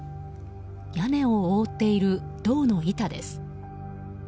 屋根を覆っている銅の板です。